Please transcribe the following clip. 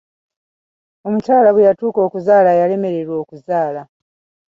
Omukyala bwe yatuuka okuzaala yalemererwa okuzaala.